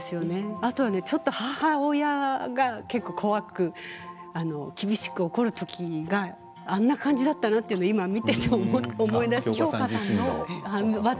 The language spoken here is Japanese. あとちょっと母親が結構怖く厳しく怒るときはあんな感じだったなと今、見ていて思い出しました。